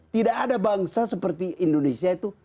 tidak ada bangsa seperti indonesia itu